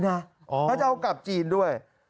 เขาจะเอากลับจีนด้วย